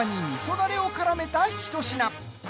だれをからめた一品。